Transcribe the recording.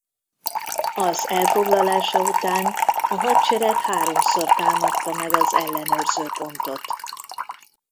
Az elfoglalása után a hadsereg háromszor támadta meg az ellenőrző pontot.